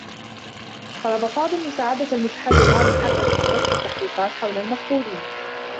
طلب فاضل مساعدة المتحرّي رامي حسن المختصّ في التّحقيقات حول المفقودين.